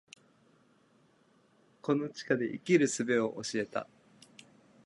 この地下街で生き延びる術を教えた